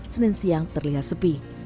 senin siang terlihat sepi